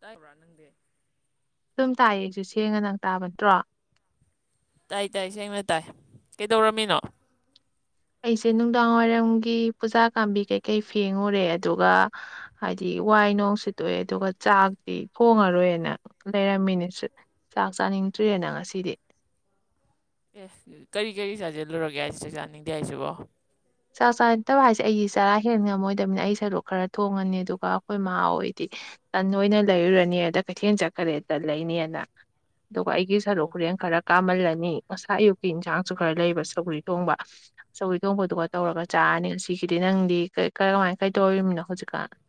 ꯇꯥꯏꯕ꯭ꯔꯥ ꯅꯪꯗꯦ [unintelligible] ꯑꯗꯨꯝ ꯇꯥꯏꯌꯦꯁꯨ ꯁꯦꯡꯉ ꯅꯪ ꯇꯥꯕ ꯅꯠꯇ꯭ꯔꯣ ꯇꯥꯏ ꯇꯥꯏ ꯁꯦꯡꯅ ꯇꯥꯏ ꯀꯩꯗꯧꯔꯝꯃꯤꯅꯣ ꯑꯩꯁꯦ ꯅꯨꯡꯗꯥꯡꯋꯥꯏꯔꯝꯒꯤ ꯄꯨꯖꯥ ꯀꯥꯝꯕꯤ ꯀꯩꯀꯩ ꯐꯦꯡꯉꯨꯔꯦ ꯑꯗꯨꯒ ꯍꯥꯏꯗꯤ ꯋꯥꯏ ꯅꯨꯡ ꯁꯤꯠꯇꯣꯛꯑꯦ ꯑꯗꯨꯒ ꯆꯥꯛꯇꯤ ꯍꯣꯡꯉꯔꯣꯏꯅ ꯂꯩꯔꯝꯃꯤꯅꯦ ꯆꯥꯛ ꯆꯥ ꯅꯤꯡꯇ꯭ꯔꯤꯦꯅ ꯉꯁꯤꯗꯤ ꯑꯦ ꯀꯔꯤ ꯀꯔꯤ ꯆꯥꯖꯜꯂꯨꯔꯒꯦ ꯍꯥꯏꯁꯤ ꯆꯥꯅꯤꯡꯗꯦ ꯍꯥꯏꯁꯤꯕꯣ ꯆꯥꯛ ꯆꯥꯠꯇꯕ ꯍꯥꯏꯁꯦ ꯑꯩꯗꯤ ꯆꯔꯥ ꯍꯦꯟ ꯉꯝꯃꯣꯏꯗꯕꯅꯤ ꯑꯩ ꯁꯔꯣꯛ ꯈꯔ ꯊꯣꯡꯉꯅꯤ ꯑꯗꯨꯒ ꯑꯩꯈꯣꯏ ꯃꯍꯥꯎ ꯑꯣꯏꯗꯤ ꯇꯟ ꯑꯣꯏꯅ ꯂꯩꯔꯨꯔꯅꯤ ꯑꯗ ꯀꯩꯊꯦꯜ ꯆꯠꯈ꯭ꯔꯦꯗ ꯂꯩꯅꯤꯅ ꯑꯗꯨꯒ ꯑꯩꯒꯤ ꯁꯔꯨ ꯑꯣ ꯈꯨꯔꯦꯟ ꯈꯔ ꯀꯥꯝꯍꯜꯂꯅꯤ ꯉꯁꯥ ꯑꯌꯨꯛꯀꯤ ꯏꯟꯁꯥꯡꯁꯨ ꯈꯔ ꯂꯩꯕ ꯁꯧꯒꯔꯤ ꯊꯣꯡꯕ ꯁꯧꯒꯔꯤ ꯊꯣꯡꯕꯗꯨ ꯇꯧꯔꯒ ꯆꯥꯔꯅꯤ ꯁꯤꯒꯤꯗꯤ ꯅꯪꯗꯤ ꯀꯔ ꯀꯃꯥꯏ ꯀꯩ ꯇꯧꯔꯤꯕꯃꯤꯅꯣ ꯍꯧꯖꯤꯛꯀꯥꯟ [unintelligible]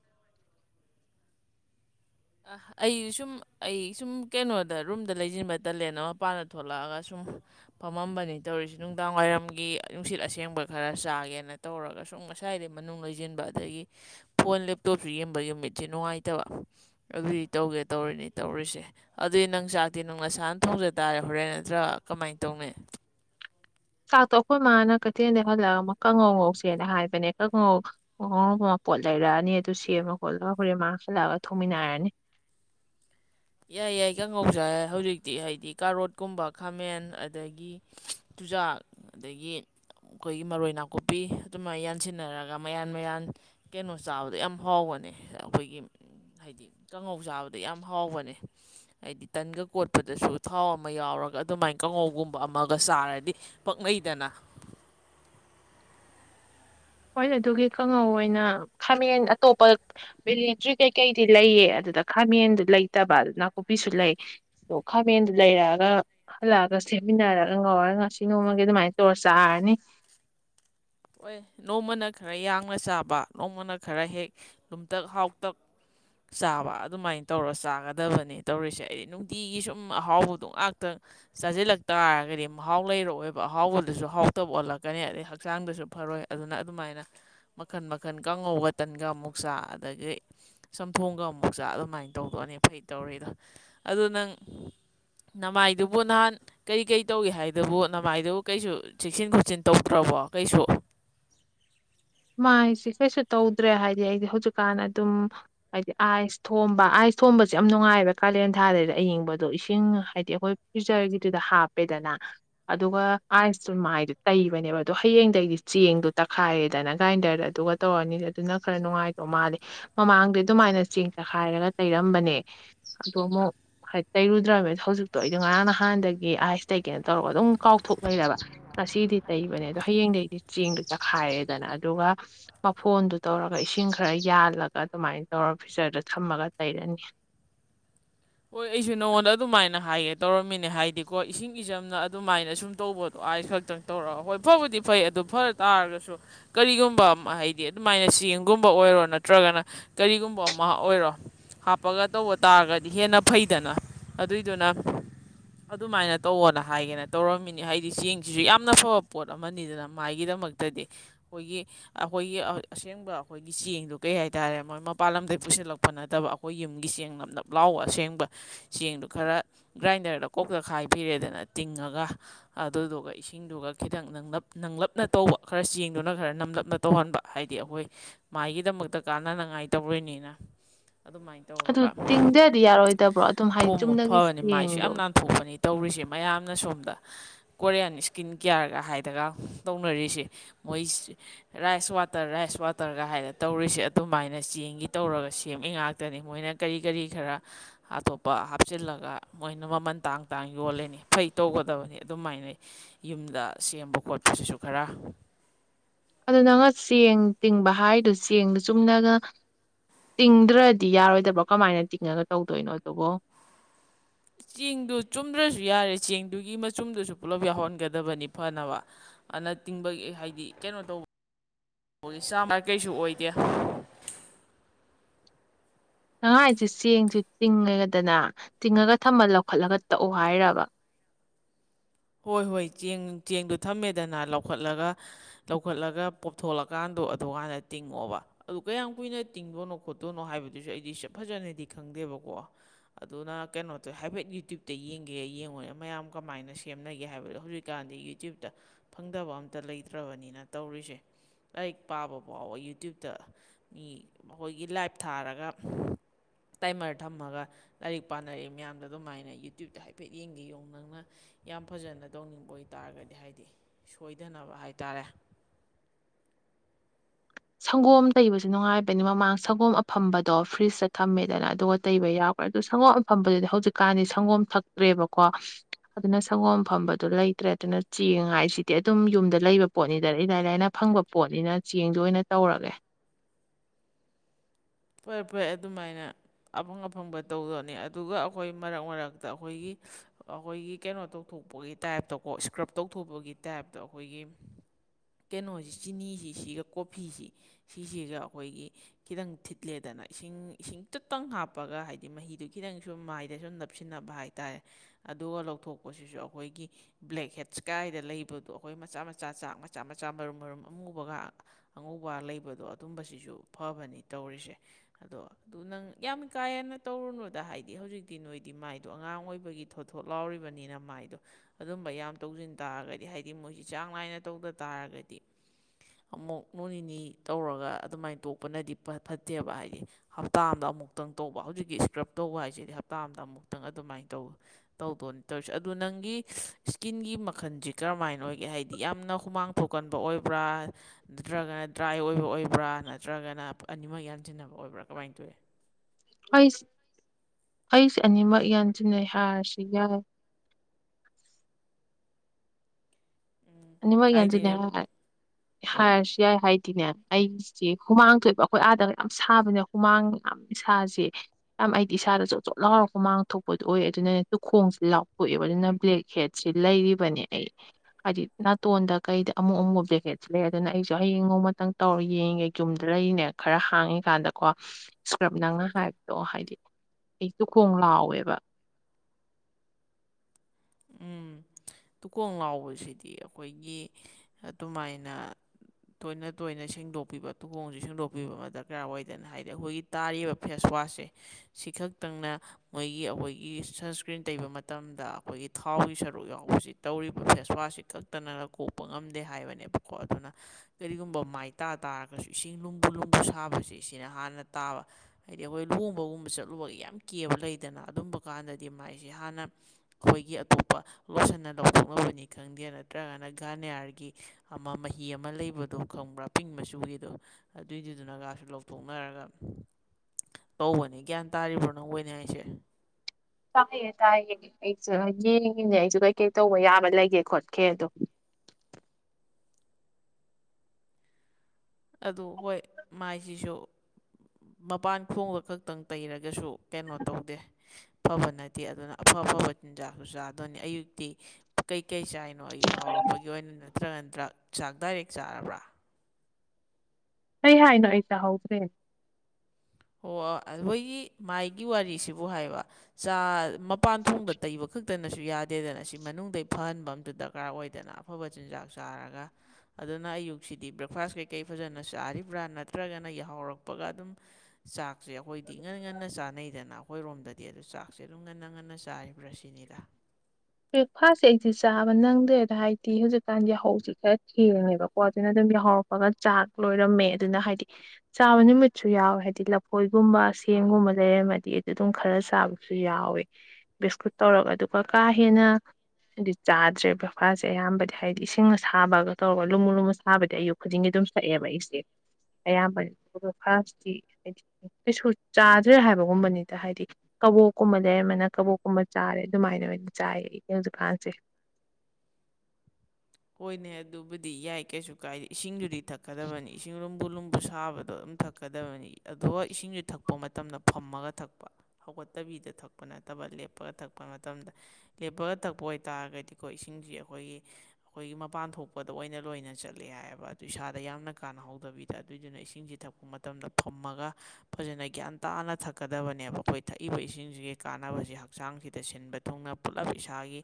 ꯑ ꯑꯩ ꯁꯨꯝ ꯑꯩ ꯁꯨꯝ ꯀꯩꯅꯣꯗ ꯔꯨꯝꯗ ꯂꯩꯁꯤꯟꯕ ꯇꯜꯂꯦꯅ ꯃꯄꯥꯟꯗ ꯊꯣꯛꯂꯛꯑꯒ ꯁꯨꯝ ꯐꯝꯃꯝꯕꯅꯤ ꯇꯧꯔꯤꯁꯤ ꯅꯨꯡꯗꯥꯡ ꯋꯥꯏꯔꯝꯒꯤ ꯅꯨꯡꯁꯤꯠ ꯑꯁꯦꯡꯕ ꯈꯔ ꯆꯥꯒꯦꯅ ꯇꯧꯔꯒ ꯁꯨꯝ ꯉꯁꯥꯏ ꯀꯥꯏꯔꯦ ꯃꯅꯨꯡ ꯂꯩꯁꯤꯟꯕ ꯑꯗꯒꯤ ꯐꯣꯟ ꯂꯦꯞꯇꯣꯞꯁꯨ ꯌꯦꯡꯕ ꯌꯃꯤꯠꯁꯦ ꯅꯨꯡꯉꯥꯏꯇꯕ ꯑꯗꯨꯗꯤ ꯇꯧꯒꯦ ꯇꯧꯔꯤꯅꯤ ꯇꯧꯔꯤꯁꯦ ꯑꯗꯨꯏ ꯅꯪ ꯆꯥꯛꯇꯤ ꯅꯅꯨꯡ ꯅꯁꯥꯅ ꯊꯧꯖ ꯇꯥꯔꯦ ꯍꯣꯔꯦꯟ ꯅꯠꯇ꯭ꯔꯥ ꯀꯃꯥꯏꯅ ꯇꯧꯅꯤ ꯆꯥꯛꯇꯣ ꯑꯩꯈꯣꯏ ꯃꯥꯅ ꯀꯩꯊꯦꯜꯗ ꯍꯜꯂꯛꯑꯒ ꯑꯃ ꯀꯥꯡꯉꯧ ꯉꯧꯁꯦꯅ ꯍꯥꯏꯕꯅꯦ ꯀꯥꯡꯉꯧ ꯄꯣꯠ ꯂꯩꯔꯛꯑꯅꯤ ꯑꯗꯨ ꯁꯦꯝꯃ ꯈꯣꯠꯂꯒ ꯍꯣꯔꯦꯟ ꯃꯁꯜꯂꯛꯑꯒ ꯊꯣꯡꯃꯤꯟꯅꯔꯅꯤ ꯌꯥꯏ ꯌꯥꯏ ꯀꯥꯡꯍꯧ ꯆ ꯍꯧꯖꯤꯛꯇꯤ ꯍꯥꯏꯗꯤ ꯀꯥꯔꯣꯠꯀꯨꯝꯕ ꯈꯥꯃꯦꯟ ꯑꯗꯒꯤ ꯆꯨꯖꯥꯛ ꯑꯗꯒꯤ ꯑꯩꯈꯣꯏꯒꯤ ꯃꯔꯣꯏ ꯅꯥꯀꯨꯞꯄꯤ ꯑꯗꯨꯃꯥꯏꯅ ꯌꯥꯟꯁꯤꯟꯅꯔꯒ ꯃꯌꯥꯟ ꯃꯌꯥꯟ ꯀꯩꯅꯣ ꯆꯥꯕꯗꯣ ꯌꯥꯝ ꯍꯥꯎꯋꯦ ꯑꯩꯈꯣꯏꯒꯤ ꯍꯥꯏꯗꯤ ꯀꯥꯡꯉꯧ ꯆꯥꯕꯗ ꯌꯥꯝ ꯍꯥꯎꯕꯅꯦ [unintelligible] ꯍꯥꯏꯗꯤ ꯇꯟꯒ ꯀꯣꯠꯄꯗꯁꯨ ꯊꯥꯎ ꯑꯃ ꯌꯥꯎꯔꯒ ꯑꯗꯨꯃꯥꯏꯅ ꯀꯥꯡꯉꯧꯒꯨꯝꯕ ꯑꯃꯒ ꯆꯥꯔꯗꯤ ꯄꯛꯅꯩ ꯗꯅ [unintelligible] ꯍꯣꯏ ꯑꯗꯨꯒꯤ ꯀꯥꯡꯉꯧ ꯑꯣꯏꯅ ꯈꯥꯃꯦꯟ ꯑꯇꯣꯞꯄ ꯚꯤꯂꯦꯇ꯭ꯔꯤ ꯀꯩꯀꯩꯗꯤ ꯂꯩꯌꯦ ꯑꯗꯨꯗ ꯈꯥꯃꯦꯟꯗꯨ ꯂꯩꯇꯕ ꯑꯗꯨ ꯅꯥꯀꯨꯞꯄꯤꯁꯨ ꯂꯩ ꯑꯗꯣ ꯈꯥꯃꯦꯟꯗꯨ ꯂꯩꯔꯛꯑꯒ ꯍꯜꯂꯛꯑꯒ ꯁꯦꯝꯠꯃꯤꯟꯅꯔꯒ ꯉꯧꯔꯒ ꯉꯁꯤ ꯅꯣꯡꯃꯒꯤ ꯑꯗꯨꯃꯥꯏꯅ ꯆꯣꯔ ꯆꯥꯔꯅꯤ ꯑꯣꯏ ꯅꯣꯡꯃꯅ ꯈꯔ ꯌꯥꯡꯅ ꯆꯥꯕ ꯅꯣꯡꯃꯅ ꯈꯔ ꯍꯦꯛ ꯂꯨꯝꯇꯛ ꯍꯥꯎꯇꯛ ꯆꯥꯕ ꯑꯗꯨꯃꯥꯏꯅ ꯇꯧꯔ ꯆꯥꯒꯗꯕꯅꯤ ꯇꯧꯔꯤꯁꯦ ꯑꯩꯗꯤ ꯅꯨꯡꯇꯤꯒꯤ ꯁꯨꯝ ꯑꯍꯥꯎꯕꯗꯣ ꯉꯥꯛꯇꯪ ꯆꯥꯁꯤꯜꯂꯛ ꯇꯥꯔꯒꯗꯤ ꯃꯍꯥꯎ ꯂꯩꯔꯛꯑꯣꯏꯕ ꯑꯍꯥꯎꯕꯗꯨꯁꯨ ꯍꯥꯎꯇꯕ ꯑꯣꯜꯂꯛꯀꯅꯤ ꯑꯗꯩ ꯍꯛꯆꯥꯡꯗꯁꯨ ꯐꯔꯣꯏ ꯑꯗꯨꯅ ꯑꯗꯨꯃꯥꯏꯅ ꯃꯈꯟ ꯃꯈꯟ ꯀꯥꯡꯉꯧꯒ ꯇꯟꯒ ꯑꯃꯨꯛ ꯆꯥ ꯑꯗꯒꯤ ꯊꯣꯡꯒ ꯑꯃꯨꯛ ꯆꯥ ꯑꯗꯨꯃꯥꯏꯅ ꯇꯧꯗꯣꯛꯑꯅꯤ ꯐꯩ ꯇꯧꯔꯤꯗ ꯑꯗꯨꯗ ꯅꯪ ꯅꯃꯥꯏꯗꯨꯕꯨ ꯅꯍꯥꯟ ꯀꯔꯤ ꯀꯔꯤ ꯇꯧꯏ ꯍꯥꯏꯗꯨꯕꯨ ꯅꯃꯥꯏꯗꯨꯕꯨ ꯀꯩꯁꯨ ꯆꯦꯛꯁꯤꯟ ꯈꯣꯠꯆꯤꯟ ꯇꯧꯗ꯭ꯔꯕ ꯀ ꯀꯩꯁꯨ ꯃꯥꯏꯁꯤ ꯀꯩꯁꯨ ꯇꯧꯗ꯭ꯔꯦ ꯍꯥꯏꯗꯤ ꯑꯩꯗꯤ ꯍꯧꯖꯤꯛꯀꯥꯟ ꯑꯗꯨꯝ ꯍꯥꯏꯗꯤ ꯑꯥꯏꯁ ꯊꯣꯝꯕ ꯑꯥꯏꯁ ꯏꯁ ꯊꯣꯟꯕꯁꯦ ꯌꯥꯝ ꯅꯨꯡꯉꯥꯏꯕ ꯀꯥꯂꯦꯟ ꯊꯥꯗꯩꯗ ꯑꯌꯤꯡꯕꯗꯣ ꯏꯁꯤꯡ ꯍꯥꯏꯗꯤ ꯑꯩꯈꯣꯏ ꯐꯤꯜꯖꯔꯒꯤꯗꯨꯗ ꯍꯥꯞꯄꯦꯗꯅ ꯑꯗꯨꯒ ꯑꯥꯏꯁꯇꯨ ꯃꯥꯏꯗꯨ ꯇꯩꯕꯅꯦꯕ ꯑꯗꯣ ꯍꯌꯦꯡꯗꯒꯤꯗꯤ ꯆꯦꯡꯗꯣ ꯇꯛꯈꯥꯏꯔꯦꯗꯅꯪ ꯒ꯭ꯔꯥꯏꯟꯗꯔꯗ ꯑꯗꯨꯒ ꯇꯧꯔꯅꯤ ꯑꯗꯨꯅ ꯈꯔ ꯅꯨꯡꯉꯥꯏꯗꯧ ꯃꯥꯜꯂꯦ ꯃꯃꯥꯡꯗ ꯑꯗꯨꯃꯥꯏꯅ ꯆꯦꯡ ꯆꯈꯥꯏꯔꯒ ꯇꯩꯔ [unintelligible] ꯇꯝꯕꯅꯦ ꯑꯣ ꯑꯃꯨꯛ ꯇꯩꯔꯨꯗ꯭ꯔꯕꯅ ꯍꯧꯖꯤꯛꯇꯣ ꯑꯩꯗꯣ ꯉꯔꯥꯡ ꯅꯍꯥꯟꯗꯒꯤ ꯑꯥꯏꯁꯇꯩ ꯀꯩꯅꯣ ꯇꯧꯔꯒ ꯑꯗꯨꯝ ꯀꯥꯎꯊꯣꯛ ꯂꯩꯔꯕ ꯉꯁꯤꯗꯤ ꯇꯩꯕꯅꯦ ꯑꯗꯣ ꯍꯌꯦꯡꯗꯩꯗꯤ ꯆꯦꯡꯗꯣ ꯇꯈꯥꯏꯔꯦꯗꯅ ꯑꯗꯨꯒ ꯃꯐꯣꯟꯗꯨ ꯇꯧꯔꯒ ꯏꯁꯤꯡ ꯈꯔ ꯌꯥꯜꯂꯒ ꯑꯗꯨꯃꯥꯏꯅ ꯇꯧꯔ ꯐꯤꯆꯔꯗ ꯊꯝꯃꯒ ꯇꯩꯔꯦ ꯑ ꯍꯣꯏ ꯑꯩꯁꯨ ꯅꯉꯣꯟꯗ ꯑꯗꯨꯃꯥꯏꯅ ꯍꯥꯏꯒꯦ ꯇꯧꯔꯝꯃꯤꯅꯦ ꯍꯥꯏꯗꯤꯀꯣ ꯏꯁꯤꯡ ꯏꯆꯝꯅ ꯑꯗꯨꯃꯥꯏꯅ ꯁꯨꯝ ꯇꯧꯕꯗꯣ ꯑꯥꯏꯁ ꯈꯛꯇꯪ ꯇꯧꯔꯒ ꯍꯣꯏ ꯐꯕꯨꯗꯤ ꯐꯩ ꯑꯗꯨ ꯐ ꯇꯥꯔꯒꯁꯨ ꯀꯔꯤꯒꯨꯝꯕ ꯍꯥꯏꯗꯤ ꯑꯗꯨꯃꯥꯏꯅ ꯁꯤ ꯆꯦꯡꯒꯨꯝꯕ ꯑꯣꯏꯔꯣ ꯅꯠꯇ꯭ꯔꯒꯅ ꯀꯔꯤꯒꯨꯝꯕ ꯑꯃ ꯑꯣꯏꯔꯣ ꯍꯥꯞꯄꯒ ꯇꯧꯕ ꯇꯥꯔꯒꯗꯤ ꯍꯦꯟꯅ ꯐꯩꯗꯅ ꯑꯗꯨꯏꯗꯨꯅ ꯑꯗꯨꯃꯥꯏꯅ ꯇꯧꯋꯣꯅ ꯍꯥꯏꯒꯦꯅ ꯇꯧꯔꯝꯃꯤꯅꯤ ꯍꯥꯏꯗꯤ ꯆꯦꯡꯁꯤꯁꯨ ꯌꯥꯝꯅ ꯐꯕ ꯄꯣꯠ ꯑꯃꯅꯤꯗꯅ ꯃꯥꯏꯒꯤꯗꯃꯛ ꯃꯛꯇꯗꯤ ꯑꯩꯈꯣꯏꯒꯤ ꯑꯩꯈꯣꯏꯒꯤ ꯑꯁꯦꯡꯕ ꯑꯩꯈꯣꯏꯒꯤ ꯆꯦꯡꯗꯣ ꯀꯩ ꯍꯥꯏꯇꯥꯔꯦ ꯃꯣꯏ ꯃꯄꯥꯟ ꯂꯝꯗꯒꯤ ꯄꯨꯁꯤꯜꯂꯛꯄ ꯅꯠꯇꯕ ꯑꯩꯈꯣꯏ ꯌꯨꯝꯒꯤ ꯆꯦꯡ ꯅꯞꯅꯞ ꯂꯥꯎꯕ ꯑꯁꯦꯡꯕ ꯆꯦꯡꯗꯨ ꯈꯔ ꯒ꯭ꯔꯥꯏꯟꯗꯔꯗ ꯀꯣꯛ ꯇꯈꯥꯏꯕꯤꯔꯦꯗꯅ ꯇꯤꯡꯉꯒ ꯑꯗꯨꯗꯨꯒ ꯏꯁꯤꯡꯗꯨꯒ ꯈꯤꯇꯪ ꯅꯞ ꯅꯪꯂꯞꯅ ꯇꯧꯕ ꯈꯔ ꯆꯦꯡꯗꯨꯅ ꯈꯔ ꯅꯝꯂꯞꯅ ꯇꯧꯍꯟꯕ ꯍꯥꯏ ꯍꯥꯏꯗꯤ ꯑꯩꯈꯣꯏ ꯃꯥꯥꯏꯒꯤꯗꯃꯛꯇ ꯀꯥꯟꯅꯅꯉꯥꯏ ꯇꯧꯔꯣꯏꯅꯤꯅ ꯑꯗꯨꯃꯥꯏꯅ ꯑꯗꯨ ꯇꯧꯔꯒ ꯇꯤꯡꯗ꯭ꯔꯗꯤ ꯌꯥꯔꯣꯏꯗꯕ꯭ꯔꯣ ꯑꯗꯨꯝ ꯍꯥꯏꯗꯤ ꯊꯣꯃ ꯆꯨꯝꯅꯒꯤ ꯐꯔꯅꯤ ꯃꯥꯏꯁꯨ ꯆꯦꯡꯗꯣ ꯌꯥꯝ ꯅꯥꯟꯊꯣꯛꯄꯅꯤ ꯑꯩ ꯇꯧꯔꯤꯁꯦ ꯃꯌꯥꯝꯅ ꯁꯣꯝꯗ ꯀꯣꯔꯤꯌꯥꯟ ꯏꯁꯀꯤꯟ ꯀꯤꯌꯥꯔꯒ ꯍꯥꯏꯗꯒ ꯇꯧꯅꯔꯤꯁꯦ ꯃꯣꯏ ꯔꯥꯏꯁ ꯋꯥꯇꯔ ꯔꯥꯏꯁ ꯋꯥꯇꯔꯒ ꯍꯥꯏꯅ ꯇꯧꯔꯤꯁꯦ ꯑꯗꯨꯃꯥꯏꯅ ꯆꯦꯡꯒꯤ ꯇꯧꯔꯒ ꯁꯦꯝ ꯃꯤ ꯉꯥꯛꯇꯅꯤ ꯃꯣꯏꯅ ꯀꯔꯤ ꯀꯔꯤ ꯈꯔ [unintelligible] ꯑꯇꯣꯞꯄ ꯍꯥꯞꯆꯤꯜꯂꯒ ꯃꯣꯏꯅ ꯃꯃꯜ ꯇꯥꯡ ꯇꯥꯡ ꯌꯣꯂꯅꯤ ꯐꯩ ꯇꯧꯒꯗꯕꯅꯤ ꯑꯗꯨꯃꯥꯏꯅ ꯌꯨꯝꯗ ꯁꯦꯝꯕ ꯈꯣꯠꯄꯁꯤꯁꯨ ꯈꯔ ꯑꯗꯨ ꯅꯪꯅ ꯆꯦꯡ ꯇꯤꯡꯕ ꯍꯥꯏꯗꯣ ꯆꯦꯡꯗꯣ ꯆꯨꯝꯅꯒ ꯇꯤꯡꯗ꯭ꯔꯗꯤ ꯌꯥꯔꯣꯏꯗꯕ꯭ꯔꯣ ꯀꯃꯥꯏꯅ ꯇꯤꯡꯉꯒ ꯇꯧꯗꯣꯏꯅꯣ ꯑꯗꯨꯕꯨꯣ ꯆꯦꯡꯗꯨ ꯆꯨꯝꯗ꯭ꯔꯁꯨ ꯌꯥꯔꯦ ꯆꯦꯡꯗꯨꯒꯤ ꯃꯆꯨꯝꯗꯨꯁꯨ ꯄꯨꯂꯞ ꯌꯥꯎꯍꯟꯒꯗꯕꯅꯤ ꯐꯅꯕ ꯑꯅ ꯇꯤꯡꯕꯒꯤ ꯍꯥꯏꯗꯤ ꯀꯩꯅꯣ ꯇꯧꯕ ꯆꯥ ꯀꯩꯁꯨ ꯑꯣꯏꯗꯦ [unintelligible] ꯅꯍꯥꯏꯁꯦ ꯆꯦꯡꯁꯨ ꯇꯤꯡꯉꯒꯗꯅ ꯇꯤꯡꯉꯒ ꯊꯝꯃ ꯂꯧꯈꯠꯂꯒ ꯇꯛꯎ ꯍꯥꯏꯔꯕ [unintelligible] ꯍꯣꯏ ꯍꯣꯏ ꯆꯦꯡ ꯆꯦꯡꯗꯨꯣ ꯊꯝꯃꯦꯗꯅ ꯂꯧꯈꯠꯂꯒ ꯂꯧꯈꯠꯂꯒ ꯄꯣꯞꯊꯣꯛꯂꯀꯥꯟꯗ ꯑꯗꯣ ꯑꯗꯨꯀꯥꯟꯅ ꯇꯤꯡꯉꯛꯑꯣꯕ ꯑꯗꯨ ꯀꯌꯥꯝ ꯀꯨꯏꯅ ꯇꯤꯡꯗꯣꯏꯅꯣ ꯈꯣꯠꯇꯣꯏꯅꯣ ꯍꯥꯏꯕꯗꯨꯁꯨ ꯑꯩꯗꯤ ꯁ ꯐꯖꯅꯗꯤ ꯈꯪꯗꯦ ꯕꯀꯣ ꯑꯗꯨꯅ ꯀꯩꯅꯣꯗ ꯍꯥꯏꯐꯦꯠ ꯌꯨꯇꯌꯨꯕꯇꯒꯦ ꯌꯦꯡꯉ ꯃꯌꯥꯝ ꯀꯃꯥꯏꯅ ꯁꯦꯝꯅꯒꯦ ꯍꯥꯏꯕꯗꯣ ꯍꯧꯖꯤꯛꯀꯥꯟꯗꯤ ꯌꯨꯇ꯭ꯌꯨꯕꯇ ꯐꯪꯗꯕ ꯑꯝꯇ ꯂꯩꯇ꯭ꯔꯕꯅꯤꯅ ꯇꯧꯔꯤꯁꯦ ꯂꯥꯏꯔꯤꯛ ꯄꯥꯕ ꯐꯥꯎꯕ ꯌꯨꯇ꯭ꯌꯨꯕꯇ ꯃꯤ ꯃꯈꯣꯏꯒꯤ ꯂꯥꯏꯚ ꯊꯥꯔꯒ ꯇꯥꯏꯃꯔ ꯊꯝꯃꯒ ꯂꯥꯏꯔꯤꯛ ꯄꯥꯅꯔꯦ ꯃꯌꯥꯝꯗ ꯑꯗꯨꯃꯥꯏꯅ ꯌꯨꯇ꯭ꯌꯨꯕꯇ ꯍꯥꯏꯐꯦꯠ ꯌꯦꯡꯒ ꯌꯧ ꯅꯪꯅ ꯌꯥꯝ ꯐꯖꯅ ꯇꯧꯅꯤꯡꯕ ꯑꯣꯏꯇꯥꯥꯔꯒꯗꯤ ꯍꯥꯏꯗꯤ ꯁꯣꯏꯗꯅꯕ ꯍꯥꯏꯇꯥꯔꯦ [unintelligible] ꯁꯪꯒꯣꯝ ꯇꯩꯕꯁꯨ ꯅꯨꯡꯉꯥꯏꯕꯅꯤ ꯃꯃꯥꯡ ꯁꯪꯒꯣꯝ ꯑꯐꯝꯝꯕꯗꯣ ꯐ꯭ꯔꯤꯖꯇ ꯊꯝꯃꯦꯗꯅ ꯑꯗꯨꯒ ꯇꯩꯕ ꯌꯥꯎꯕ ꯑꯗꯨ ꯁꯪꯒꯣꯝ ꯐꯝꯕꯗꯨꯗꯤ ꯍꯧꯖꯤꯛꯀꯥꯟꯗꯤ ꯁꯪꯒꯣꯝ ꯊꯛꯇ꯭ꯔꯦꯕꯀꯣ ꯑꯗꯨꯅ ꯁꯪꯒꯣꯝ ꯐꯝꯕꯗꯨꯣ ꯂꯩꯇ꯭ꯔꯦ ꯑꯗꯨꯅ ꯆꯦꯡ ꯍꯥꯏꯁꯤꯗꯤ ꯑꯗꯨꯝ ꯌꯨꯝꯗ ꯂꯩꯕ ꯄꯣꯠꯅꯤꯗꯅ ꯏꯂꯥꯏ ꯂꯥꯏꯅ ꯐꯪ ꯕ ꯄꯣꯠꯅꯤꯅ ꯆꯦꯡꯗꯣ ꯑꯣꯏꯅ ꯇꯧꯔꯒꯦ ꯐꯣꯏ ꯐꯣꯏ ꯑꯗꯨꯃꯥꯏꯅ ꯑꯐꯪ ꯑꯐꯪꯕ ꯇꯧꯗꯣꯅꯦ ꯑꯗꯨꯒ ꯑꯩꯈꯣꯏ ꯃꯔꯛ ꯃꯔꯛꯇ ꯑꯩꯈꯣꯏꯒꯤ ꯑꯩꯈꯣꯏꯒꯤ ꯀꯩꯅꯣ ꯇꯧꯊꯣꯛ ꯊꯣꯛꯄꯒꯤ ꯇꯥꯏꯞꯇꯀꯣ ꯏꯁꯀ꯭ꯔꯞ ꯇꯧꯊꯣꯛꯄꯒꯤ ꯇꯥꯏꯞꯇ ꯑꯩꯈꯣꯏꯒꯤ ꯀꯩꯅꯣꯁꯤ ꯆꯤꯅꯤꯁꯤ ꯁꯤꯒ ꯀꯣꯐꯤꯁꯤ ꯁꯤꯁꯤꯒ ꯑꯩꯈꯣꯏꯒꯤ ꯈꯤꯇꯪ ꯊꯤꯠ ꯂꯦꯗꯅ ꯏꯁꯤꯡ ꯏꯁꯤꯡ ꯇꯨꯞꯇꯪ ꯍꯥꯞꯄꯒ ꯍꯥꯏꯗꯤ ꯃꯍꯤꯗꯨꯣ ꯈꯤꯇꯪ ꯁꯨꯝ ꯃꯥꯏꯗ ꯁꯨꯝ ꯅꯞꯁꯤꯟꯅꯕ ꯍꯥꯏꯇꯥꯔꯦ ꯑꯗꯨꯒ ꯂꯧꯊꯣꯛꯄꯁꯤꯁꯨ ꯑꯩꯈꯣꯏꯒꯤ ꯕ꯭ꯂꯦꯛ ꯍꯦꯠ ꯏꯁ꯭ꯀꯥꯏꯗ ꯂꯩꯕꯗꯣ ꯑꯩꯈꯣꯏ ꯃꯆꯥ ꯃꯆꯥ ꯆꯥꯛ ꯃꯆꯥ ꯃꯆꯥ ꯃꯔꯨꯝ ꯃꯔꯨꯝ ꯑꯃꯨꯕꯒ ꯑꯉꯧꯕ ꯂꯩꯕꯗꯣ ꯑꯗꯨꯨꯝꯕꯁꯤꯁꯨ ꯐꯕꯅꯤ ꯇꯧꯔꯤꯁꯦ ꯑꯗꯣ ꯑꯗꯨ ꯅꯪ ꯌꯥꯝ ꯀꯥꯍꯦꯟꯅ ꯇꯧꯔꯨꯅꯨꯗ ꯍꯥꯏꯗꯤ ꯍꯧꯖꯤꯛꯇꯤ ꯅꯣꯏꯗꯤ ꯃꯥꯏꯗꯣ ꯑꯉꯥꯡ ꯑꯣꯏꯕꯒꯤ ꯒꯤꯣꯊꯣꯛ ꯂꯥꯎꯔꯤꯕꯅꯤꯅ ꯃꯥꯏꯗꯣ ꯑꯗꯨꯝꯕ ꯌꯥꯝ ꯇꯧꯁꯤꯟ ꯇꯥꯔꯒꯗꯤ ꯍꯥꯏꯗꯤ ꯃꯣꯏꯁꯤ ꯆꯥꯡ ꯅꯥꯏꯅ ꯇꯧꯗ ꯇꯥꯔꯒꯗꯤ ꯑꯃꯨꯛ ꯅꯣꯡ ꯅꯤꯅꯤ ꯇꯧꯔꯒ ꯑꯗꯨꯃꯥꯏꯅ ꯇꯣꯛꯄꯅꯗꯤ ꯐ ꯠꯇꯦꯕ ꯍꯥꯏꯗꯤ ꯍꯞꯇꯥ ꯑꯃꯗ ꯑꯃꯨꯛꯇꯪ ꯇꯧꯕ ꯍꯧꯖꯤꯛꯀꯤ ꯏꯁꯀ꯭ꯔꯞ ꯇꯧꯕ ꯍꯥꯏꯁꯤꯗꯤ ꯍꯞꯇꯥ ꯑꯃꯗ ꯑꯃꯨꯛꯇꯪ ꯑꯗꯨꯃꯥꯏꯅ ꯇꯧꯕ ꯇꯧꯗꯣꯅꯦ ꯇꯧꯔꯤꯁꯦ ꯑꯗꯨ ꯅꯪꯒꯤ ꯏꯁꯀꯤꯟꯒꯤ ꯃꯈꯜꯁꯦ ꯀꯔꯝꯍꯥꯏꯅ ꯑꯣꯏꯒꯦ ꯍꯥꯏꯗꯤ ꯌꯥꯝꯅ ꯍꯨꯃꯥꯡ ꯊꯣꯛꯀꯟꯕ ꯑꯣꯏꯕ꯭ꯔꯥ ꯅꯠꯇ꯭ꯔꯒꯅ ꯗ꯭ꯔꯥꯏ ꯑꯣꯏꯕ ꯑꯣꯏꯕ꯭ꯔꯥ ꯅꯠꯇ꯭ꯔꯒꯅ ꯑꯅꯤꯃꯛ ꯌꯥ ꯖꯤꯟꯅꯕ ꯑꯣꯏꯕ꯭ꯔꯥ ꯀꯃꯥꯏꯅ ꯇꯧꯏ ꯑꯩꯁ ꯑꯩꯁꯦ ꯑꯅꯤꯃꯛ ꯌꯥꯟꯁꯤꯟꯅꯩ ꯍꯥꯏꯔꯁꯨ ꯌꯥꯏ [unintelligible] ꯎꯝ ꯅꯤꯡꯃꯒꯤ ꯌꯦꯟꯁꯤꯗꯦ ꯍꯥꯏ ꯍꯥꯏꯗꯤꯅꯦ ꯇꯔ ꯍꯥꯏꯔꯁꯨ ꯌꯥꯏ ꯍꯥꯏꯗꯤꯅꯦ ꯑꯩꯁꯦ ꯍꯨꯃꯥꯡ ꯊꯣꯛꯣꯏꯕ ꯑꯩꯈꯣꯏ ꯑꯥꯗꯒ ꯌꯥꯝ ꯁꯥꯕꯅꯦ ꯍꯨꯃꯥꯡ ꯌꯥꯝ ꯏꯁꯥꯁꯦ ꯌꯥꯝ ꯑꯩꯗꯤ ꯏꯁꯥꯗ ꯆꯣꯠ ꯆꯣꯠ ꯂꯥꯎꯔꯄ ꯃꯥꯡ ꯊꯣꯛꯣꯛꯄꯗꯣ ꯑꯣꯏ ꯑꯗꯨꯅꯅꯦ ꯇꯨꯈꯣꯡꯁꯦ ꯂꯥꯎꯊꯣꯛꯑꯕ ꯑꯗꯨꯅ ꯕ꯭ꯂꯦꯛ ꯍꯦꯠꯁꯤ ꯂꯩꯔꯤꯕꯅꯦ ꯑꯩ ꯍꯥꯏꯗꯤ ꯅꯥꯇꯣꯟꯗ ꯀꯩꯗ ꯑꯃꯨꯛ ꯑꯃꯨꯕ ꯖꯦꯀꯦꯠꯁꯦ ꯂꯩ ꯑꯗꯨꯅ ꯑꯩꯁꯨ ꯍꯌꯦꯡ ꯉꯧꯃꯇꯪ ꯇꯧꯔ ꯌꯦꯡꯉꯦ ꯌꯨꯝꯗ ꯂꯩꯔꯤꯅꯦ ꯈꯔ ꯍꯥꯡꯉꯤꯀꯥꯟꯗꯀꯣ ꯏꯁꯀ꯭ꯔꯞ ꯅꯪꯅ ꯍꯥꯏꯕꯗꯣ ꯍꯥꯏꯗꯤ ꯑꯩꯁꯨ ꯈꯣꯡ ꯂꯥꯎꯋꯦꯕ ꯎꯝ ꯇꯨꯀꯣꯡ ꯉꯥꯎꯕꯁꯤꯗꯤ ꯑꯩꯈꯣꯏꯒꯤ ꯑꯗꯨꯃꯥꯏꯅ ꯇꯣꯏꯅ ꯇꯣꯏꯅ ꯁꯦꯡꯗꯣꯛꯄꯤꯕ ꯊꯨꯍꯣꯡꯁꯨ ꯁꯦꯡꯗꯣꯛꯄꯤꯕ ꯑꯃ ꯗꯔꯀꯥꯔ ꯑꯣꯏꯗꯅ ꯍꯥꯏꯗꯤ ꯑꯩꯈꯣꯏꯒꯤ ꯇꯥꯔꯤꯕ ꯐꯦꯁ ꯋꯥꯁꯦ ꯁꯤꯈꯛꯇꯪꯅ ꯃꯣꯏꯒꯤ ꯑꯩꯈꯣꯏꯒꯤ ꯁꯟꯁꯀ꯭ꯔꯤꯟ ꯇꯩꯕ ꯃꯇꯝꯗ ꯑꯩꯈꯣꯏꯒꯤ ꯊꯥꯎꯒꯤ ꯁꯔꯨꯛ ꯌꯥꯎꯕꯁꯤ ꯇꯧꯔꯤꯕ ꯐꯦꯁꯋꯥꯁꯁꯤ ꯀꯛꯇꯅꯅ ꯀꯣꯛꯄ ꯉꯝꯗꯦ ꯍꯥꯏꯕꯅꯦꯕꯀꯣ ꯑꯗꯨꯅ ꯀꯔꯤꯒꯨꯝꯕ ꯃꯥꯏ ꯇꯥ ꯇꯥꯔꯒꯁꯨ ꯏꯁꯤꯡ ꯂꯨꯝꯕꯨ ꯂꯨꯝꯕꯨ ꯁꯥꯕꯁꯦ ꯁꯤꯅ ꯍꯥꯟꯅ ꯇꯥꯕ ꯍꯥꯏꯗꯤ ꯑꯩꯈꯣꯏ ꯂꯨꯍꯣꯡꯕꯒꯨꯝꯕ ꯆꯠꯂꯨꯕꯒꯤ ꯌꯥꯝ ꯀꯦꯕ ꯂꯩꯗꯅ ꯑꯗꯨꯝꯕ ꯀꯥꯟꯗꯗꯤ ꯃꯥꯏꯁꯦ ꯍꯥꯟꯅ ꯑꯩꯈꯣꯏꯒꯤ ꯑꯇꯣꯞꯄ ꯂꯣꯁꯟꯅ ꯂꯧꯊꯣꯛꯅꯕꯅꯤ ꯈꯪꯗꯦ ꯅꯠꯇ꯭ꯔꯒꯅ ꯒꯥꯔꯅꯤꯌꯥꯔꯒꯤ ꯑꯃ ꯍꯤ ꯑꯃ ꯂꯩꯕꯗꯣ ꯈꯪꯕ꯭ꯔꯥ ꯄꯤꯡ ꯃꯆꯨꯒꯤꯗꯣ ꯑꯗꯨꯏꯗꯨꯗꯨꯅꯒꯁꯨ ꯂꯧꯊꯣꯛꯅꯔꯒ ꯇꯧꯕꯅꯤ ꯒ꯭ꯌꯥꯟ ꯇꯥꯔꯤꯕ꯭ꯔꯣ ꯅꯪ ꯑꯣꯏꯅꯤ ꯍꯥꯏꯁꯦ ꯇꯥꯏꯌꯦ ꯇꯥꯏꯌꯦ ꯑꯩꯁꯨ ꯌꯦꯡꯉꯤꯅꯦ ꯑꯩꯁꯨ ꯀꯩꯀꯩ ꯇꯧꯕ ꯌꯥꯕ ꯂꯩꯒꯦ ꯈꯣꯠꯀꯦ ꯑꯗꯣ [unintelligible] ꯑꯗꯨ ꯍꯣꯏ ꯃꯥꯏꯁꯤꯁꯨ ꯃꯄꯥꯟ ꯈꯣꯡꯗ ꯈꯛꯇꯪ ꯇꯩꯔꯒꯁꯨ ꯀꯩꯅꯣ ꯇꯧꯗꯦ ꯐꯕꯅꯠꯇꯦ ꯑꯗꯨꯅ ꯑ ꯑꯐꯕ ꯆꯤꯟꯖꯥꯛꯁꯨ ꯆꯥꯗꯣꯏꯅꯤ ꯑꯌꯨꯛꯇꯤ ꯀꯩ ꯀꯩ ꯆꯥꯏꯅꯣ ꯑꯌꯨꯛ ꯍꯧꯔꯛꯄꯒꯤ ꯑꯣꯏꯅ ꯅꯠꯇ꯭ꯔꯒ ꯅꯠꯇ꯭ꯔꯒ ꯆꯥꯛ ꯗꯥꯏꯔꯦꯛ ꯆꯥꯔꯕ꯭ꯔꯥ ꯀꯩ ꯍꯥꯏꯅꯣ ꯑꯩ ꯆꯥꯍꯧꯗ꯭ꯔꯦ ꯑꯣ ꯑꯣ ꯑꯩꯈꯣꯏꯒꯤ ꯃꯥꯏꯒꯤ ꯋꯥꯔꯤꯁꯤꯕꯨ ꯍꯥꯏꯕ ꯆꯥ ꯃꯄꯥꯟ ꯊꯣꯡꯗ ꯇꯩꯕꯈꯛ ꯈꯛꯇꯅꯁꯨ ꯌꯥꯗꯦꯗꯅ ꯁꯤ ꯃꯅꯨꯡꯗ ꯐꯍꯟꯕ ꯑꯝꯇ ꯗꯔꯀꯥꯔ ꯑꯣꯏꯗꯅ ꯑꯐꯕ ꯆꯤꯟꯖꯥꯛ ꯆꯥꯔꯒ ꯑꯗꯨꯅ ꯑꯌꯨꯛꯁꯤꯗꯤ ꯕ꯭ꯔꯦꯛꯐꯥꯁ ꯀꯩꯀꯩ ꯐꯖꯅ ꯆꯥꯔꯤꯕ꯭ꯔꯥ ꯅꯠꯇ꯭ꯔꯒꯅ ꯌꯥꯍꯧꯔꯛꯄꯒ ꯑꯗꯨꯝ ꯆꯥꯛꯁꯦ ꯑꯩꯈꯣꯏꯗꯤ ꯉꯟꯅ ꯉꯟꯅ ꯆꯥꯅꯩꯗꯅ ꯑꯩꯈꯣꯏꯔꯣꯝꯗꯗꯤ ꯑꯗꯨ ꯆꯥꯛꯁꯦ ꯑꯗꯨꯝ ꯉꯟꯅ ꯉꯟꯅ ꯆꯥꯏ ꯐ ꯍꯥꯏꯁꯤꯁꯤ ꯆꯥꯕ ꯅꯪꯗ꯭ꯔꯦꯗ ꯍꯥꯏꯗꯤ ꯍꯧꯖꯤꯛꯀꯥꯟꯒꯤ ꯍꯧꯁꯤ ꯈꯔ ꯊꯦꯡꯉꯦꯕꯀꯣ ꯑꯗꯨꯅ ꯑꯗꯨꯝ ꯌꯥꯎꯧꯔꯛꯄꯒ ꯆꯥꯛ ꯂꯣꯏꯔꯝꯃꯦ ꯑꯗꯨꯅ ꯍꯥꯏꯗꯤ ꯆꯥꯕ ꯅꯨꯃꯤꯠꯁꯨ ꯌꯥꯎꯋꯦ ꯍꯥꯏꯗꯤ ꯂꯐꯣꯏꯒꯨꯝꯕ ꯁꯦꯝꯦꯡꯒꯨꯝꯕ ꯂꯩꯔꯝꯃꯗꯤ ꯑꯗꯨꯝ ꯈꯔ ꯆꯥꯕꯁꯨ ꯌꯥꯎꯋꯦ ꯕꯤꯁꯀꯨꯠ ꯇꯧꯔꯒ ꯑꯗꯨꯒ ꯀꯥ ꯍꯦꯟꯅ ꯍꯥꯏꯗꯤ ꯆꯥꯗ꯭ꯔꯦ ꯕꯕꯥꯥꯁꯦ ꯑꯌꯥꯝꯕꯗꯤ ꯍꯥꯏꯗꯤ ꯏꯁꯤꯡꯅ ꯁꯥꯕꯒ ꯇꯧꯔꯒ ꯂꯨꯝꯃꯨ ꯂꯨꯝꯃ ꯁꯥꯕꯗꯤ ꯑꯌꯨꯛ ꯈꯨꯗꯤꯡꯒꯤꯗ ꯑꯗꯨ ꯁꯥꯏꯑꯦꯕ ꯏꯁꯦ ꯑꯌꯥꯝꯕꯅꯤ ꯑꯗꯨꯒ ꯐꯥꯔꯁꯇꯤ ꯍꯥꯏꯗꯤ ꯀꯩꯁꯨ ꯆꯥꯗ꯭ꯔꯦ ꯍꯥꯏꯕꯒꯨꯝꯕꯅꯤꯗ ꯍꯥꯏꯗꯤ ꯀꯕꯨꯣ ꯀꯨꯝꯃꯜꯦ ꯃꯅ ꯀꯕꯨꯣꯛ ꯀꯨꯝꯃ ꯆꯥꯔꯦ ꯑꯗꯨꯃꯥꯏꯅ ꯑꯣꯏꯅ ꯆꯥꯏꯌꯦ ꯑꯩꯒꯤ ꯍꯧꯖꯤꯛꯀꯥꯟꯁꯦ ꯑꯣꯏ ꯑꯗꯨꯕꯨꯗꯤ ꯌꯥꯏ ꯀꯩꯁꯨ ꯀꯥꯏꯗꯦ ꯏꯁꯤꯡꯗꯨꯗꯤ ꯊꯛꯀꯗꯕꯅꯤ ꯏꯁꯤꯡ ꯂꯨꯝꯕꯨ ꯂꯨꯝꯕꯨ ꯁꯥꯕꯗꯣ ꯑꯗꯨꯝ ꯊꯛꯀꯗꯕꯅꯤ ꯑꯗꯨꯒ ꯏꯁꯤꯡꯁꯨ ꯊꯛꯄ ꯃꯇꯝꯗ ꯐꯝꯃꯒ ꯊꯛꯄ ꯍꯧꯒꯠꯇꯕꯤꯗ ꯊꯛꯄ ꯅꯠꯇꯕ ꯐꯕ ꯂꯦꯞꯄꯒ ꯊꯛꯄ ꯃꯇꯝꯗ ꯂꯦꯞꯄꯒ ꯊꯛꯄ ꯑꯣꯏꯇꯥꯔꯒꯗꯤ ꯑꯩꯈꯣꯏ ꯏꯁꯤꯡꯁꯤ ꯑꯩꯈꯣꯏꯒꯤ ꯑꯩꯈꯣꯏꯒꯤ ꯃꯄꯥꯟ ꯊꯣꯛꯄꯗ ꯑꯣꯏꯅ ꯂꯣꯏꯅ ꯆꯠꯂꯦ ꯍꯥꯏꯌꯦꯕ ꯑꯗꯨ ꯏꯁꯥꯗ ꯌꯥꯝꯅ ꯀꯥꯟꯅꯍꯧꯗꯕꯤꯗ ꯑꯗꯨꯏꯗꯨꯅ ꯏꯁꯤꯡꯁꯤ ꯊꯛꯄ ꯃꯇꯝꯗ ꯐꯝꯃꯒ ꯐꯖꯅ ꯒ꯭ꯌꯥꯟ ꯇꯥꯅ ꯊꯛꯀꯗꯕꯅꯦꯕ ꯑꯩꯈꯣꯏ ꯊꯛꯏꯕ ꯏꯁꯤꯡꯁꯤꯒꯤ ꯀꯥꯟꯅ ꯁꯥꯟꯅꯕꯁꯤ ꯍꯛꯆꯥꯡꯁꯤꯗ ꯁꯤꯟꯕ ꯊꯨꯡꯅ ꯄꯨꯜꯂꯞ ꯏꯁꯥꯒꯤ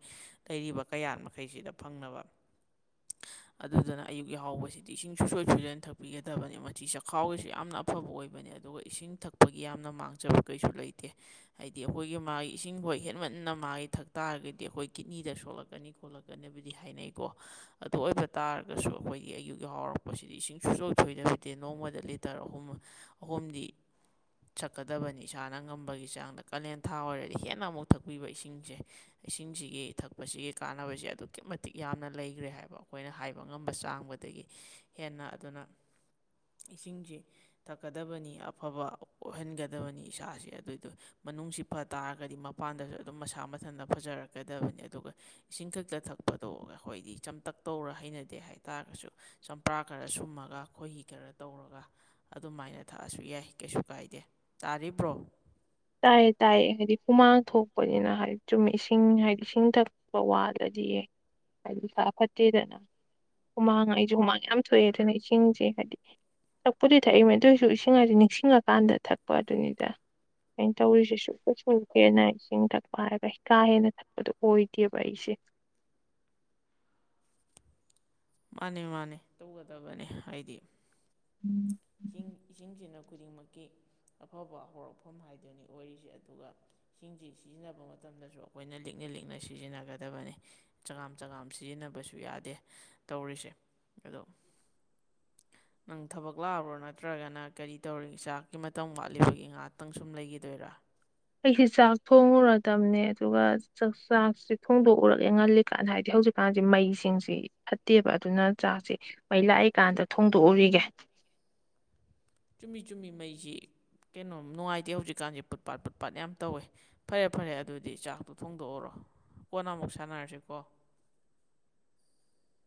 ꯂꯩꯔꯤꯕ ꯀꯌꯥꯠ ꯃꯈꯩꯁꯤꯗ ꯐꯪꯅꯕ [unintelligible] ꯑꯗꯨꯗꯨꯅ ꯑꯌꯨꯛ ꯌꯥꯍꯕꯁꯤꯗꯤ ꯏꯁꯤꯡ ꯁꯨꯡꯁꯣꯏ ꯁꯣꯏꯗꯅ ꯊꯛꯄꯤꯒꯗꯕꯅꯤ ꯃꯆꯤ ꯆꯥꯛꯈꯥꯎꯒꯤꯁꯨ ꯌꯥꯝꯅ ꯑꯐꯕ ꯑꯣꯏꯕꯅꯤ ꯑꯗꯨꯒ ꯏꯁꯤꯡ ꯊꯛꯄꯒꯤ ꯌꯥꯝꯅ ꯃꯥꯡꯖꯕ ꯀꯩꯁꯨ ꯂꯩꯇꯦ ꯍꯥꯏꯗꯤ ꯑꯩꯈꯣꯏꯒꯤ ꯃꯥꯒꯤ ꯏꯁꯤꯡꯐꯥꯎ ꯍꯦꯟꯃꯟꯅ ꯃꯥꯒꯤ ꯊꯛ ꯇꯥꯔꯒꯗꯤ ꯑꯩꯈꯣꯏ ꯀꯤꯠꯅꯤꯗ ꯁꯣꯛꯂꯛꯀꯅꯤ ꯈꯣꯠꯂꯛꯀꯅꯤꯕꯨꯗꯤ ꯍꯥꯏꯅꯩ ꯀꯣ ꯑꯗꯨ ꯑꯣꯏꯕ ꯇꯥꯔꯒꯁꯨ ꯑꯩꯈꯣꯏꯒꯤ ꯑꯌꯨꯛ ꯌꯥ ꯍꯧꯥꯎꯔꯛꯄꯁꯤꯗꯤ ꯏꯁꯤꯡ ꯁꯨꯡꯁꯣꯏ ꯊꯣꯏꯗꯕꯤꯗꯦ ꯅꯣꯡꯃꯗ ꯂꯤꯇꯔ ꯑꯍꯨꯝ ꯑꯍꯨꯝꯗꯤ ꯁꯛꯀꯗꯕꯅꯤ ꯏꯁꯥꯅ ꯉꯝꯕꯒꯤ ꯆꯥꯡꯗ ꯀꯥꯂꯦꯟ ꯊꯥ ꯑꯣꯏꯔꯗꯤ ꯍꯦꯟꯅ ꯑꯃꯨꯛ ꯊꯛꯄꯤꯕ ꯏꯁꯤꯡꯁꯦ ꯏꯁꯤꯡꯁꯤꯒꯤ ꯊꯛꯄꯁꯤꯒꯤ ꯀꯥꯟꯅꯕꯁꯤ ꯑꯗꯨꯛꯀꯤ ꯃꯇꯤꯛ ꯌꯥꯝꯅ ꯂꯩꯈ꯭ꯔꯦ ꯍꯥꯏꯕ ꯑꯩꯈꯣꯏꯅ ꯍꯥꯏꯕ ꯑ ꯉꯝꯕ ꯆꯥꯡꯕꯗꯒꯤ ꯍꯦꯟꯅ ꯑꯗꯨꯅ ꯏꯁꯤꯡꯁꯤ ꯊꯛꯀꯗꯕꯅꯤ ꯑꯐꯕ ꯑꯣꯏꯍꯟꯒꯗꯕꯅꯤ ꯏꯁꯥꯁꯦ ꯑꯗꯨꯏꯗꯨ ꯃꯅꯨꯡꯁꯤ ꯐ ꯇꯥꯔꯒꯗꯤ ꯃꯄꯥꯟꯗꯁꯨ ꯑꯗꯨꯝ ꯃꯁꯥ ꯃꯊꯟꯇ ꯐꯖꯔꯛꯀꯗꯕꯅꯤ ꯑꯗꯨꯒ ꯏꯁꯤꯡ ꯈꯛꯇ ꯊꯛꯄ ꯇꯣꯛꯑꯒ ꯑꯩꯈꯣꯏꯗꯤ ꯆꯝꯇꯛ ꯇꯧꯔ ꯍꯩꯅꯗꯦ ꯍꯥꯏꯇꯥꯔꯒꯁꯨ ꯆꯝꯄ꯭ꯔꯥ ꯈꯔ ꯁꯨꯝꯃꯒ ꯑꯩꯣꯏꯒꯤ ꯈꯔ ꯇꯧꯔꯒ ꯑꯗꯨꯃꯥꯏꯅ ꯊꯛꯑꯁꯨ ꯌꯥꯏ ꯀꯩꯁꯨ ꯀꯥꯏꯗꯦ ꯇꯥꯔꯤꯕ꯭ꯔꯣ ꯇꯥꯏꯌꯦ ꯇꯥꯏꯌꯦ ꯍꯥꯏꯗꯤ ꯍꯨꯃꯥꯡ ꯊꯣꯛꯄꯅꯤꯅ ꯍꯥꯏꯗꯤ ꯆꯨꯝ ꯏꯁꯤꯡ ꯍꯥꯏꯗꯤ ꯏꯁꯤꯡ ꯊꯛꯄ ꯋꯥꯗ꯭ꯔꯗꯤ ꯌꯦ ꯍꯥꯏꯗꯤ ꯁꯥꯥ ꯐꯠꯇꯦꯗꯅ ꯍꯨꯃꯥꯡ ꯑꯩꯁꯨꯦ ꯍꯨꯃꯥꯡ ꯌꯥꯝ ꯊꯣꯛꯑꯦ ꯑꯗꯨꯅ ꯏꯁꯤꯡꯁꯦ ꯍꯥꯏꯗꯤ ꯊꯛꯄꯨꯗꯤ ꯊꯛꯏꯃꯦ ꯑꯗꯨꯑꯣꯏꯁꯨ ꯏꯁꯤꯡ ꯍꯥꯏꯗꯤ ꯅꯤꯡꯁꯤꯡꯉꯀꯥꯟꯗ ꯊꯛꯄ ꯑꯗꯨꯅꯤꯗ ꯑꯩꯅ ꯇꯧꯔꯤꯁꯦ ꯁꯨ ꯀ ꯁꯁꯨ ꯍꯦꯟꯅ ꯏꯁꯤꯡ ꯊꯛꯄ ꯍꯥꯏꯔꯒ ꯀꯥ ꯍꯦꯟꯅ ꯊꯛꯄꯗꯣ ꯑꯣꯏꯗꯦꯕ ꯑꯩꯁꯦ [unintelligible] ꯃꯥꯅꯦ ꯃꯥꯅꯦ ꯇꯧꯒꯗꯕꯅꯤ ꯍꯥꯏꯗꯤ ꯏꯁꯤꯡ ꯏꯁꯤꯡꯁꯤꯅ ꯈꯨꯗꯤꯡꯃꯛꯀꯤ ꯑꯐꯕ ꯍꯧꯔꯛꯐꯝ ꯍꯥꯏꯗꯨꯅꯤ ꯑꯣꯏꯔꯤꯁꯦ ꯑꯗꯨꯒ ꯏꯁꯤꯡꯁꯤ ꯁꯤꯖꯤꯟꯅꯕ ꯃꯇꯝ ꯃꯇꯝꯗꯁꯨ ꯑꯩꯈꯣꯏꯅ ꯂꯤꯛꯅ ꯂꯤꯛꯅ ꯁꯤꯖꯤꯟꯅꯒꯗꯕꯅꯤ ꯆꯉꯝ ꯆꯉꯥꯝ ꯁꯤꯖꯤꯟꯅꯕꯁꯨ ꯌꯥꯗꯦ ꯇꯧꯔꯤꯁꯦ ꯑꯗꯣ [unintelligible] ꯅꯪ ꯊꯕꯛ ꯂꯥꯛꯑꯔꯣ ꯅꯠꯇ꯭ꯔꯒꯅ ꯀꯔꯤ ꯇꯧꯔꯤ ꯏꯥꯛꯀꯤ ꯃꯇꯝ ꯋꯥꯠꯂꯤꯕꯒꯤ ꯉꯍꯥꯛꯇꯪ ꯁꯨꯝ ꯂꯩꯈꯤꯗꯣꯏꯔꯥ ꯑꯩꯁꯦ ꯆꯥꯛ ꯊꯣꯡꯉꯨꯔꯗꯕꯅꯦ ꯑꯗꯨꯒ ꯆꯥꯛ ꯆꯥꯁꯦ ꯊꯣꯡꯗꯣꯛꯎꯔꯒꯦ ꯉꯜꯂꯤ ꯀꯥꯟ ꯍꯥꯏꯗꯦ ꯍꯧꯖꯤꯛꯀꯥꯟꯁꯦ ꯃꯩꯁꯤꯡꯁꯤ ꯐꯠꯇꯦꯕ ꯑꯗꯨꯅ ꯆꯥꯛꯁꯦ ꯃꯩ ꯂꯥꯛꯏꯀꯥꯟꯗ ꯊꯣꯡꯗꯣꯛꯎꯏꯒꯦ꯫ [inaudible] ꯆꯨꯝꯃꯤ ꯆꯨꯝꯃꯤ ꯃꯩꯖꯤ__ ꯀꯩꯅꯣꯝ ꯅꯨꯡꯉꯥꯏꯇꯦ ꯍꯧꯖꯤꯛꯀꯥꯟꯁꯦ ꯐꯨꯠ ꯄꯥꯠ ꯄꯨꯨꯠ ꯄꯥꯠ ꯌꯥꯝ ꯇꯧꯋꯦ ꯐꯔꯦ ꯐꯔꯦ ꯑꯗꯨꯗꯤ ꯆꯥꯛꯇꯣ ꯊꯣꯡꯗꯣꯛꯎꯔꯣ ꯀꯣꯟꯅ ꯑꯃꯨꯛ ꯁꯥꯟꯅꯔꯁꯤꯀꯣ [unintelligible]